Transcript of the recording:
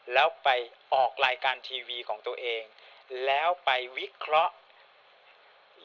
แล้วไปออกรายการทีวีของตัวเองแล้วไปวิเคราะห์